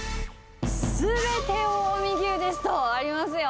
すべて近江牛ですとありますよ。